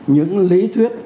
những lý thuyết